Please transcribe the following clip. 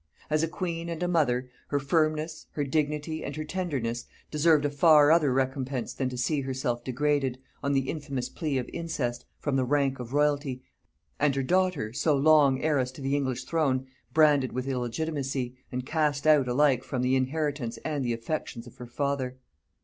As a queen and a mother, her firmness, her dignity, and her tenderness, deserved a far other recompense than to see herself degraded, on the infamous plea of incest, from the rank of royalty, and her daughter, so long heiress to the English throne, branded with illegitimacy, and cast out alike from the inheritance and the affections of her father.